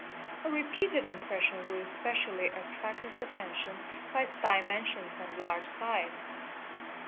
A repeated impression will especially attract his attention c. by its dimensions and large size.